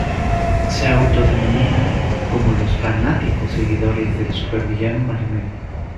Se autodenominan como los fanáticos seguidores del supervillano Magneto.